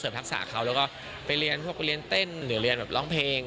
ทักษะเขาแล้วก็ไปเรียนพวกเรียนเต้นหรือเรียนแบบร้องเพลง